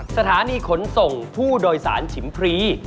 สถานีขนส่งผู้โดยสารฉิมพรี